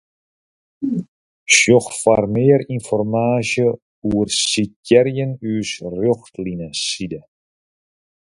Sjoch foar mear ynformaasje oer sitearjen ús Rjochtlineside.